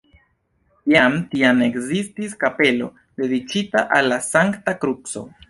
Jam tiam ekzistis kapelo dediĉita al la Sankta Kruco.